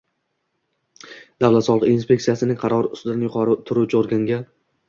Davlat soliq inspeksiyasining qarori ustidan yuqori turuvchi organga